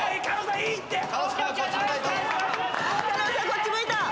こっち向いた。